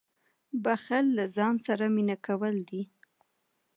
• بښل له ځان سره مینه کول دي.